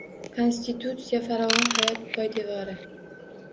Konstitutsiya farovon hayot poydevori